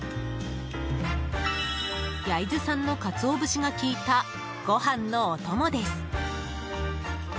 焼津産のカツオ節が利いたご飯のお供です。